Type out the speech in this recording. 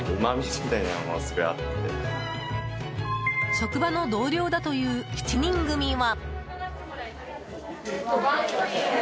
職場の同僚だという７人組は。